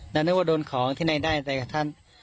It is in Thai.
เรานึกว่าโดนของที่นายได้แต่กับท่าน